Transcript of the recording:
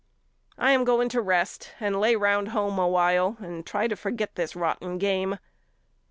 I am going to rest and lay round home a while and try to forget this rotten game.